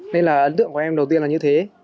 nên là ấn tượng của em đầu tiên là như thế